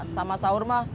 sama sahur mah